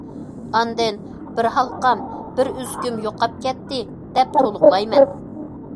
ئاندىن« بىر ھالقام، بىر ئۈزۈكۈم يوقاپ كەتتى» دەپ تولۇقلايمەن.